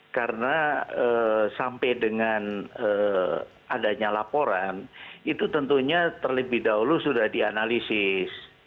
karena sampai dengan adanya laporan itu tentunya terlebih dahulu sudah dianalisis